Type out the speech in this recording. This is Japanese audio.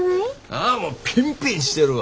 ああもうピンピンしてるわ。